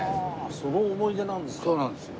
その思い出なんですか。